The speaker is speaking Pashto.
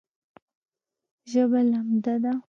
ژبه لمده ده